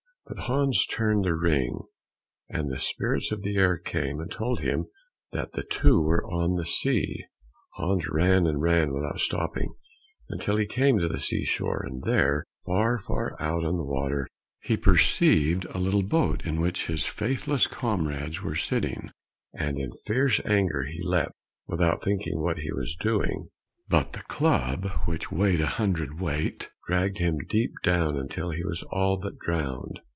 But Hans turned the ring, and the spirits of the air came and told him that the two were on the sea. Hans ran and ran without stopping, until he came to the sea shore, and there far, far out on the water, he perceived a little boat in which his faithless comrades were sitting; and in fierce anger he leapt, without thinking what he was doing, club in hand into the water, and began to swim, but the club, which weighed a hundredweight, dragged him deep down until he was all but drowned.